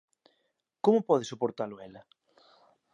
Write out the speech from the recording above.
Como pode soportalo ela?